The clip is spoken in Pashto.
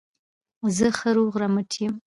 زه ښه روغ رمټ یم.